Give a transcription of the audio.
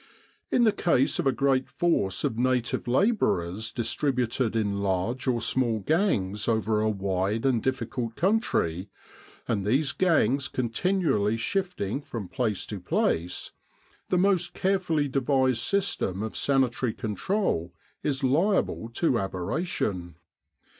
In the case of a great force of native labourers distri buted in large or small gangs over a wide and difficult country, and these gangs continually shifting from place to place, the most carefully devised system of sanitary control is liable to aberration.